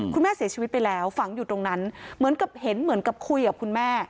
คุณแม่เสียชีวิตไปแล้วฝังอยู่ตรงนั้นเหมือนกับเห็นเหมือนกับคุยกับคุณแม่